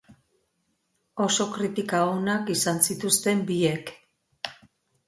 Oso kritika onak izan zituzten biek.